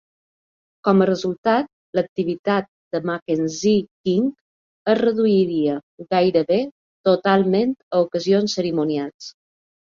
Com a resultat, l'activitat de Mackenzie King es reduïa gairebé totalment a ocasions cerimonials.